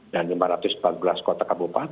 dan lima ratus empat belas kota kabupaten